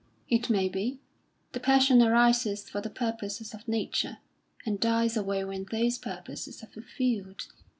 "It may be. The passion arises for the purposes of nature, and dies away when those purposes are fulfilled.